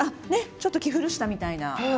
ちょっと着古したみたいな。